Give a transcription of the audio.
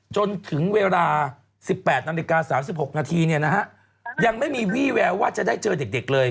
จนถึงเวลา๑๘นาฬิกา๓๖นาทีเนี่ยนะฮะยังไม่มีวี่แววว่าจะได้เจอเด็กเลย